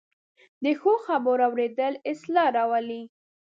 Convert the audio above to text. د ښو خبرو اورېدل اصلاح راولي